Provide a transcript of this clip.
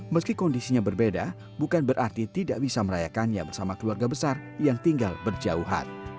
meski kondisinya berbeda bukan berarti tidak bisa merayakannya bersama keluarga besar yang tinggal berjauhan